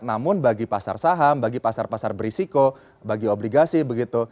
namun bagi pasar saham bagi pasar pasar berisiko bagi obligasi begitu